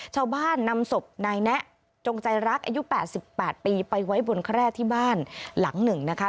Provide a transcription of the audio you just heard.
ชาวบ้านนำศพนายแนะจงใจรักอายุ๘๘ปีไปไว้บนแคร่ที่บ้านหลังหนึ่งนะคะ